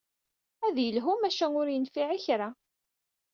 Ad yelhu, maca ur yenfiɛ i kra.